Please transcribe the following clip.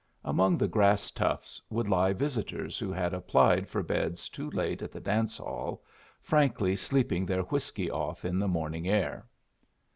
Among the grass tufts would lie visitors who had applied for beds too late at the dance hall, frankly sleeping their whiskey off in the morning air.